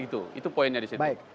itu poinnya di situ